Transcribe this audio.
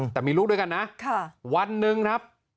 แต่มีลูกด้วยกันนะวันหนึ่งครับ